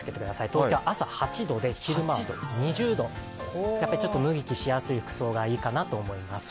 東京は朝８度で、昼間は２０度やっぱり脱ぎ着しやすい服装がいいかと思います。